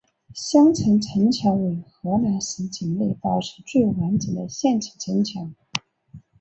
襄城城墙为河南省境内保存最完整的县城城墙。